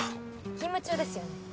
勤務中ですよね？